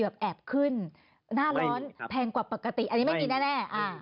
แอบขึ้นหน้าร้อนแพงกว่าปกติอันนี้ไม่มีแน่